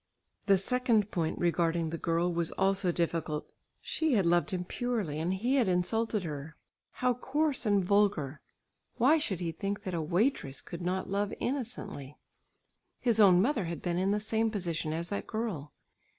The second point regarding the girl was also difficult. She had loved him purely and he had insulted her. How coarse and vulgar! Why should he think that a waitress could not love innocently? His own mother had been in the same position as that girl.